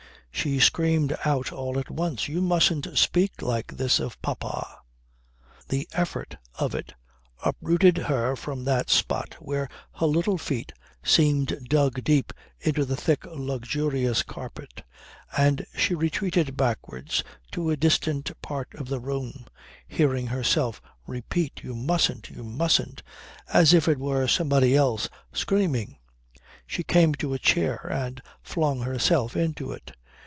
She screamed out all at once "You mustn't speak like this of Papa!" The effort of it uprooted her from that spot where her little feet seemed dug deep into the thick luxurious carpet, and she retreated backwards to a distant part of the room, hearing herself repeat "You mustn't, you mustn't" as if it were somebody else screaming. She came to a chair and flung herself into it.